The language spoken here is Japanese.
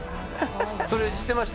それ知ってました？